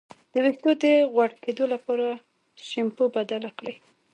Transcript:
د ویښتو د غوړ کیدو لپاره شیمپو بدل کړئ